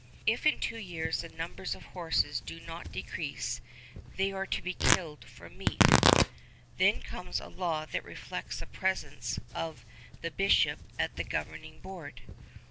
"If in two years the numbers of horses do not decrease, they are to be killed for meat." Then comes a law that reflects the presence of the bishop at the governing board.